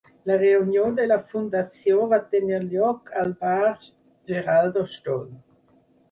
La reunió de la fundació va tenir lloc al Bar Geraldo Stoll.